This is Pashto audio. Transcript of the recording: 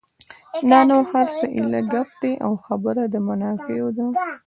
دا نور هر څه ایله ګپ دي او خبره د منافعو ده.